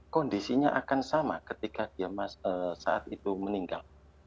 kondisinya akan sama ketika dia saat itu meninggal